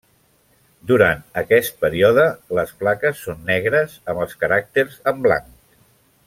Durant aquest període les plaques són negres amb els caràcters en blanc.